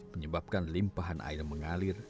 menyebabkan limpahan air mengalir